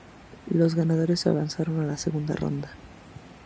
Los ganadores avanzaron a la Segunda ronda.